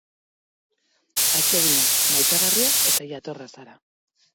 Atsegina, maitagarria eta jatorra zara.